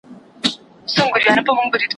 دا کتابتون له هغه ارام دی؟